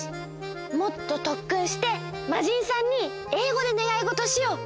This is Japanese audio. もっととっくんしてまじんさんにえいごでねがいごとをしよう！